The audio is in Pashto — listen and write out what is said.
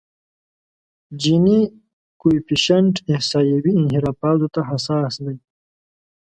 جیني کویفشینټ احصایوي انحرافاتو ته حساس دی.